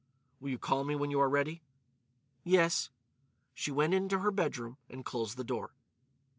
"Will you call me when you are ready?" "Yes." She went into her bedroom and closed the door.